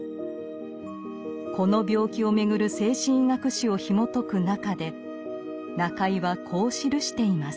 この病気をめぐる精神医学史をひもとくなかで中井はこう記しています。